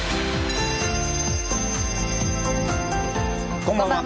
こんばんは。